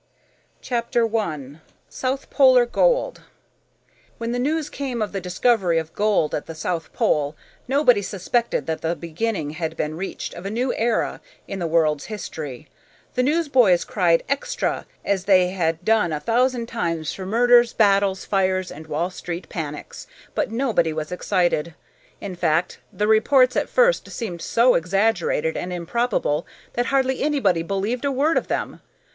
SYX THE MOON METAL I SOUTH POLAR GOLD When the news came of the discovery of gold at the south pole, nobody suspected that the beginning had been reached of a new era in the world's history. The newsboys cried "Extra!" as they had done a thousand times for murders, battles, fires, and Wall Street panics, but nobody was excited. In fact, the reports at first seemed so exaggerated and improbable that hardly anybody believed a word of them.